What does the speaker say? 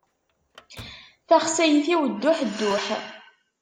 Taxsayt-iw duḥ duḥ.